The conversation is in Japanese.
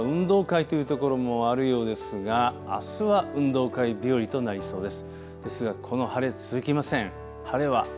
あすは運動会という所もあるようですがあすは運動会日和となりそうです。